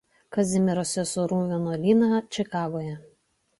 Kazimiero seserų vienuolyną Čikagoje.